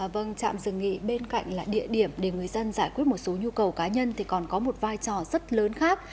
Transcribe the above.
vâng trạm rừng nghỉ bên cạnh là địa điểm để người dân giải quyết một số nhu cầu cá nhân thì còn có một vai trò rất lớn khác